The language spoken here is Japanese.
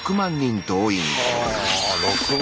６万！